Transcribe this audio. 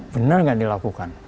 benar tidak dilakukan